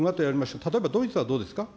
例えばドイツはどうですか。